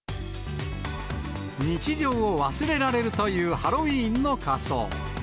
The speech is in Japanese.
日常を忘れられるというハロウィーンの仮装。